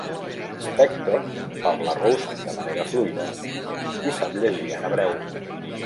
Spektor parla rus de manera fluïda i sap llegir en hebreu.